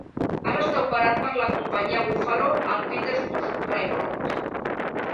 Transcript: Ara està operat per la companyia Buffalo and Pittsburgh Railroad.